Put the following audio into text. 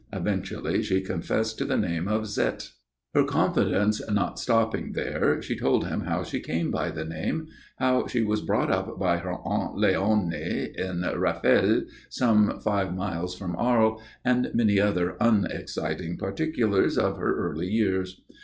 Eventually she confessed to the name of Zette. Her confidence not stopping there, she told him how she came by the name; how she was brought up by her Aunt Léonie at Raphèle, some five miles from Arles, and many other unexciting particulars of her early years.